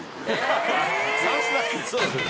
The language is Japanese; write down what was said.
そうです。